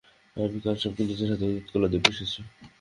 আমি কালসাপকে নিজের হাতে দুধকলা দিয়ে পুষেছি।